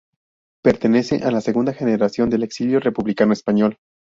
Pertenece a la segunda generación del exilio republicano español.